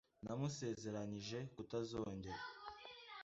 Namusezeranije kutazongera.